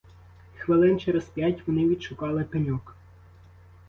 Хвилин через п'ять вони відшукали пеньок.